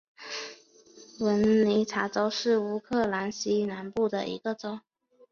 文尼察州是乌克兰西南部的一个州。